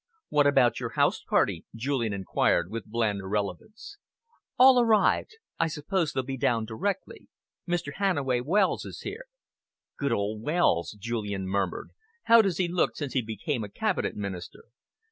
"What about your house party?" Julian enquired, with bland irrelevance. "All arrived. I suppose they'll be down directly. Mr. Hannaway Wells is here." "Good old Wells!" Julian murmured. "How does he look since he became a Cabinet Minister?"